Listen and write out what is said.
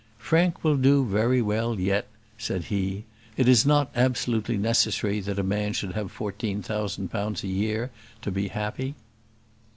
"Frank will do very well yet," said the he. "It is not absolutely necessary that a man should have fourteen thousand pounds a year to be happy."